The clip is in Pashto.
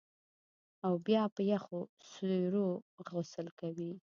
او بیا په یخو سیورو غسل کوي